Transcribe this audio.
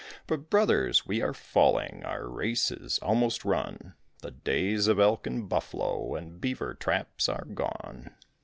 But, brothers, we are falling, Our race is almost run; The days of elk and buffalo And beaver traps are gone.